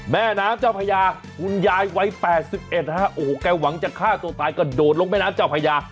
แม่น้ำเจ้าพญาหุ้นย่ายไว้๘๑ฮะโอ้โฮจะฆ่าตัวตายก็โดดลงแม่น้ำเจ้าพญา